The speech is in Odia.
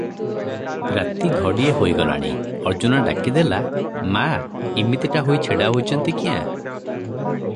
ରାତି ଘଡ଼ିଏ ହୋଇଗଲାଣି, ଅର୍ଜୁନା ଡାକିଦେଲା, "ମା ଇମିତିଟା ହୋଇ ଛିଡ଼ା ହୋଇଛନ୍ତି କ୍ୟାଁ?